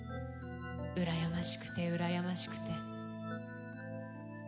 うらやましくてうらやましくて。